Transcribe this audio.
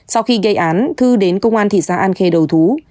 sau khi gây án thư đến công an thị xã an khê đầu thú